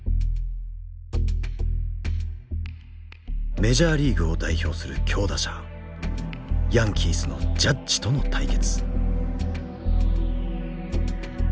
メジャーリーグを代表する強打者ヤンキースのジャッジとの対決。